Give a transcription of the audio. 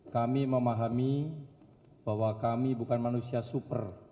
kami memahami bahwa kami bukan manusia super